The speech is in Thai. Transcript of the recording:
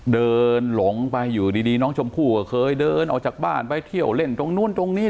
หลงไปอยู่ดีน้องชมพู่ก็เคยเดินออกจากบ้านไปเที่ยวเล่นตรงนู้นตรงนี้